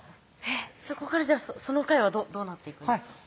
そこからその会はどうなっていくんですか？